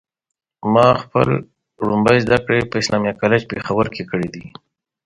اوس وږي ماشومان ماړه کړئ!